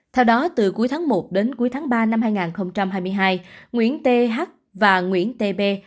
theo đó từ cuối tháng một đến cuối tháng ba năm hai nghìn hai mươi hai nguyễn thê hắc và nguyễn thê bê